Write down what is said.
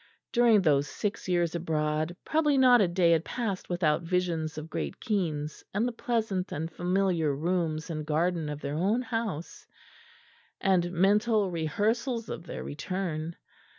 During those six years abroad probably not a day had passed without visions of Great Keynes, and the pleasant and familiar rooms and garden of their own house, and mental rehearsals of their return.